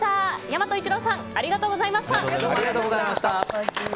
大和一朗さんありがとうございました。